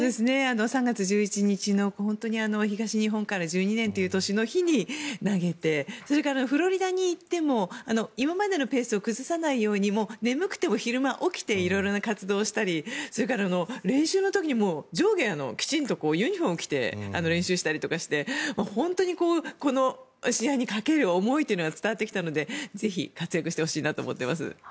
３月１１日の東日本から１２年という年の日に投げてそれからフロリダに行っても今までのペースを崩さないように眠くても昼間、起きていろいろな活動をしたりそれから練習の時にも上下きちんとユニホームを着て練習したりとかして本当にこの試合にかける思いが伝わってきたのでぜひ、活躍してほしいなと思っています。